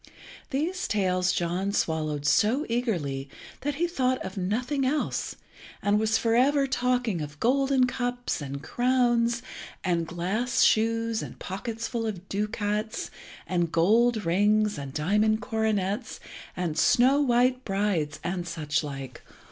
These tales John swallowed so eagerly that he thought of nothing else, and was for ever talking of golden cups, and crowns, and glass shoes, and pockets full of ducats, and gold rings, and diamond coronets, and snow white brides, and such like.